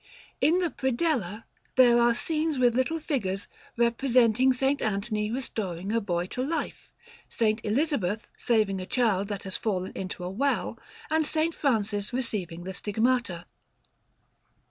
In the predella there are scenes with little figures, representing S. Anthony restoring a boy to life; S. Elizabeth saving a child that has fallen into a well; and S. Francis receiving the Stigmata.